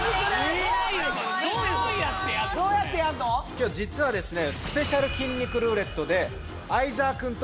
今日は実はですね